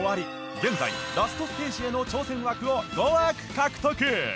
現在ラストステージへの挑戦枠を５枠獲得！